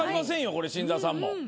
これ新澤さんも。